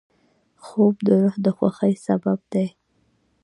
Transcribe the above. خوب د روح د خوښۍ سبب دی